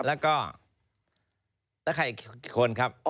แล้วใครอีกกี่คนครับ